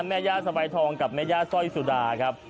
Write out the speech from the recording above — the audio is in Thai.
แม่ย่าสบายทองกับแม่ย่าสร้อยสุดาครับ